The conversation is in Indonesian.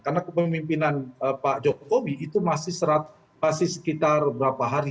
karena kepemimpinan pak jokowi itu masih sekitar berapa hari